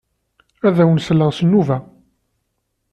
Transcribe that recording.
Ad awen-sleɣ s nnuba.